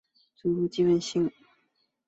祖父蔡文兴。